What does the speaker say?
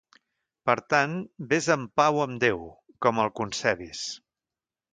Per tant, ves en pau amb Déu, com el concebis.